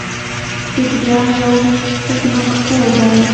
ذکریا یو ځمکپوه دی.